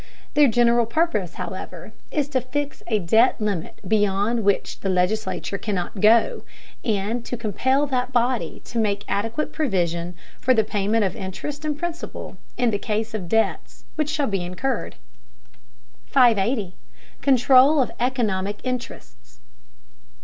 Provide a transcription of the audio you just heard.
Their general purpose, however, is to fix a debt limit beyond which the legislature cannot go, and to compel that body to make adequate provision for the payment of interest and principal in the case of debts which shall be incurred. 580. CONTROL OF ECONOMIC INTERESTS.